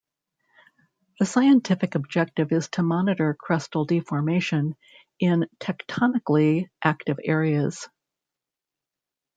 The scientific objective is to monitor crustal deformation in tectonically active areas.